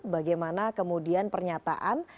bagaimana kemudian pernyataan